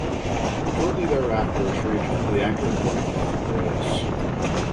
Shortly thereafter, she returned to the anchor point off Piraeus.